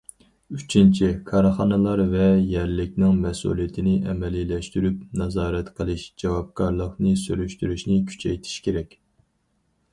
ئۈچىنچى، كارخانىلار ۋە يەرلىكنىڭ مەسئۇلىيىتىنى ئەمەلىيلەشتۈرۈپ، نازارەت قىلىش، جاۋابكارلىقنى سۈرۈشتۈرۈشنى كۈچەيتىش كېرەك.